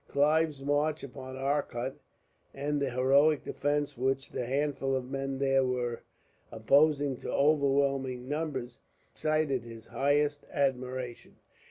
Clive's march upon Arcot, and the heroic defence which the handful of men there were opposing to overwhelming numbers, excited his highest admiration.